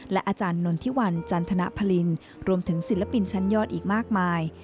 อาจารย์นนทิวันจันทนพลินรวมถึงศิลปินชั้นยอดอีกมากมาย